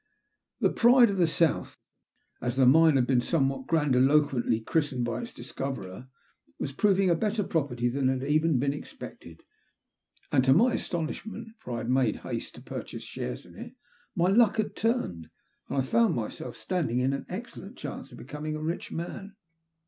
*' The Pride of the South," as the mine had been somewhat grandiloquently christened by its discoverer, was proving a better property than had even been ex pected, and to my astonishment, for I had made haste to purchase shares in it, my luck had turned, and I found myself standing an excellent chance of becoming a rich man.